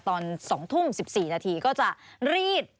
ตอน๒ทุ่ม๑๔นาทีก็จะรีด